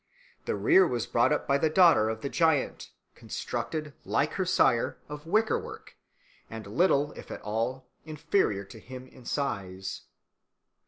The rear was brought up by the daughter of the giant, constructed, like her sire, of wicker work, and little, if at all, inferior to him in size.